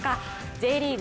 Ｊリーグ